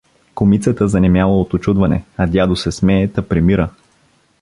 Кумицата занемяла от учудване, а дядо се смее, та примира.